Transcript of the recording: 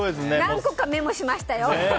何個かメモしましたよ。